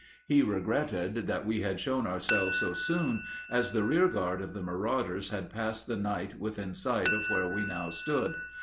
He regretted that we had shown ourselves so soon, as the rear guard of the marauders had passed the night within sight of where we now stood.